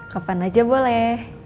kapan aja boleh